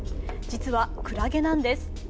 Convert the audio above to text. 実はクラゲなんです。